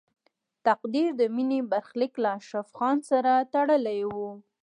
تقدیر د مینې برخلیک له اشرف خان سره تړلی و